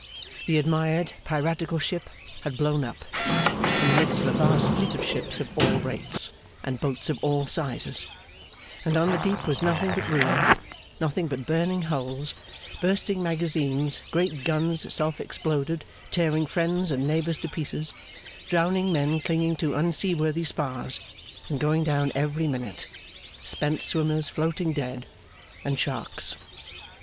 The admired piratical ship had blown up, in the midst of a vast fleet of ships of all rates, and boats of all sizes; and on the deep was nothing but ruin; nothing but burning hulls, bursting magazines, great guns self exploded tearing friends and neighbours to pieces, drowning men clinging to unseaworthy spars and going down every minute, spent swimmers, floating dead, and sharks.